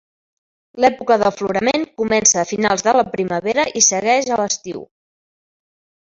L'època d'aflorament comença a finals de la primavera i segueix a l'estiu.